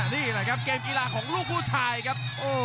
นี่แหละครับเกมกีฬาของลูกผู้ชายครับ